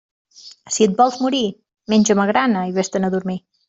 Si et vols morir, menja magrana i vés-te'n a dormir.